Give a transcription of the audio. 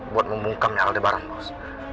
buat membungkam hal di barang bos